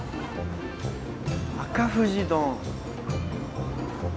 赤富士丼。